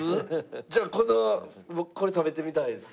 じゃあこの僕これ食べてみたいです。